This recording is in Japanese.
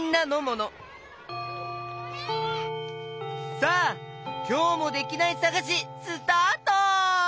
さあきょうもできないさがしスタート！